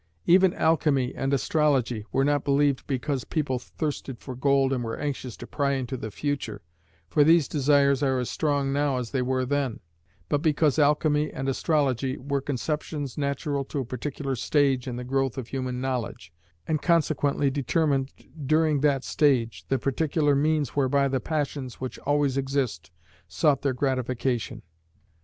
Even alchemy and astrology were not believed because people thirsted for gold and were anxious to pry into the future, for these desires are as strong now as they were then: but because alchemy and astrology were conceptions natural to a particular stage in the growth of human knowledge, and consequently determined during that stage the particular means whereby the passions which always exist, sought their gratification.